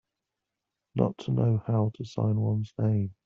Not to know how to sign one's name.